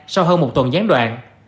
sau hơn một tuần gián đoạn